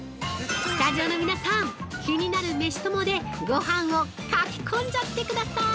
スタジオの皆さん、気になるメシともでごはんをかきこんじゃってください。